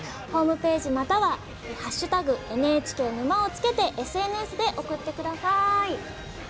ホームページまたは「＃ＮＨＫ沼」を付けてＳＮＳで送ってください。